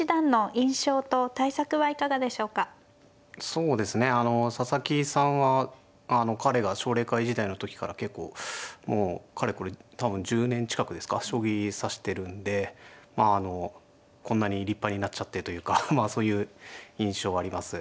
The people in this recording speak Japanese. そうですねあの佐々木さんは彼が奨励会時代の時から結構もうかれこれ多分１０年近くですか将棋指してるんでまああのこんなに立派になっちゃってというかまあそういう印象はあります。